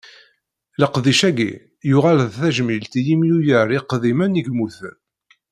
Leqdic-agi, yuɣal d tajmilt i yimyurar iqdimen i yemmuten.